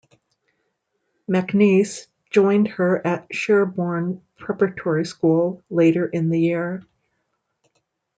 MacNeice joined her at Sherborne Preparatory School later in the year.